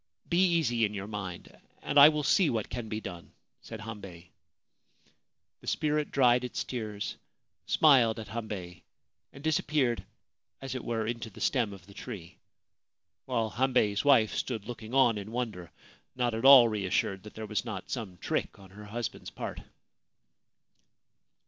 Be easy in your mind, and I will see what can be done/ said Hambei. The spirit dried its tears, smiled at Hambei, and dis appeared as it were into the stem of the tree, while Hambei's wife stood looking on in wonder, not at all reassured that there was not some trick on her husband's part.